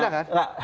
tidak fitnah kan